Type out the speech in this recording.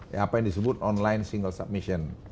ya apa yang disebut online single submission